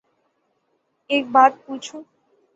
ایک بات پو چوں